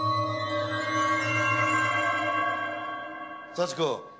幸子。